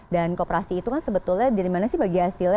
dan kooperasi itu kan sebetulnya dari mana sih bagi hasilnya